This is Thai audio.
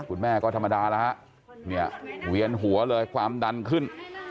คุณแม่ก็ธรรมดาแล้วฮะเนี่ยเวียนหัวเลยความดันขึ้น